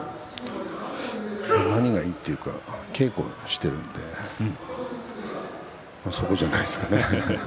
何がいいというか稽古をしているのでそこじゃないですかね。